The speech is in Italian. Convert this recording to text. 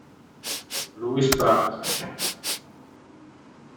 Louis Prat